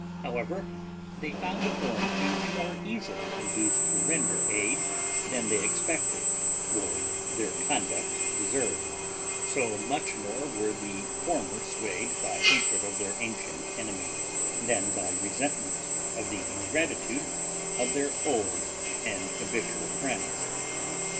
However, they found the Florentines more easily induced to render aid than they expected, or their conduct deserved; so much more were the former swayed by hatred of their ancient enemy, than by resentment of the ingratitude of their old and habitual friends.